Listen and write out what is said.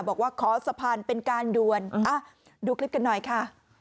บอกว่าขอสะพานเป็นการด่วนดูคลิปกันหน่อยค่ะ